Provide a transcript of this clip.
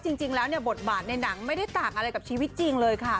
จริงแล้วเนี่ยบทบาทในหนังไม่ได้ต่างอะไรกับชีวิตจริงเลยค่ะ